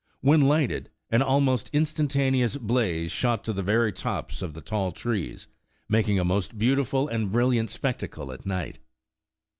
When lighted, an almost instantaneous blaze shot to the very tops of the tall trees, making a most beautiful and brilliant spectacle at night.